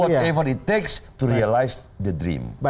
untuk menyelesaikan impian